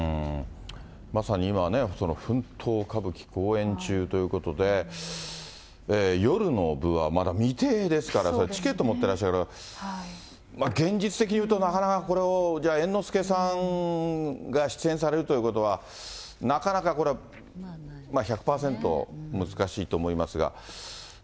まさに今、その奮闘歌舞伎公演中ということで、夜の部はまだ未定ですから、チケット持ってらっしゃる方、現実的に言うと、なかなかこれを、じゃあ、猿之助さんが出演されるということは、なかなかこれは１００％難しいと思いますが。